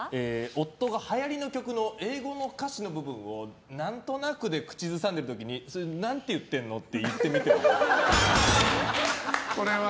夫がはやりの曲の英語の歌詞の部分を何となくで口ずさんでる時にそれ何て言ってるの？と言ってみては？